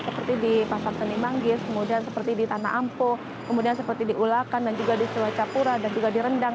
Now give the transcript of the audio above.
seperti di pasar seni manggis kemudian seperti di tanah ampo kemudian seperti di ulakan dan juga di selacapura dan juga di rendang